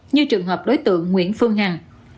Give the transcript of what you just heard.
như trường hợp đối tượng nguyễn phương hằng